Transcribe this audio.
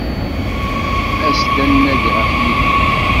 As-d ad nnadi ɣef Yidir.